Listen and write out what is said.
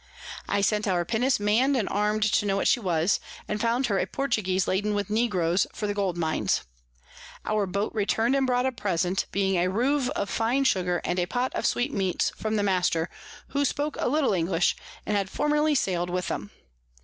I sent our Pinnace mann'd and arm'd to know what she was, and found her a Portuguese laden with Negroes for the Gold Mines. Our Boat return'd and brought a Present, being a Roove of fine Sugar and a Pot of Sweet meats from the Master, who spoke a little English, and had formerly sail'd with 'em.